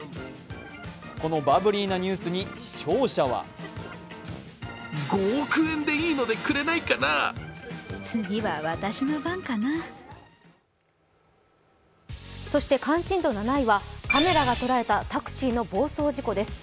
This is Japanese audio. このバブリーなニュースに視聴者は関心度７位はカメラが捉えたタクシーの暴走事故です。